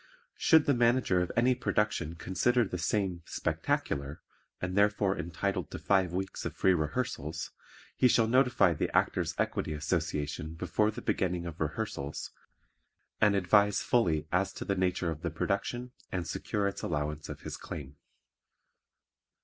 Should the Manager of any production consider the same "Spectacular" and therefore entitled to five weeks of free rehearsals, he shall notify the Actors' Equity Association before the beginning of rehearsals and advise fully as to the nature of the production and secure its allowance of his claim.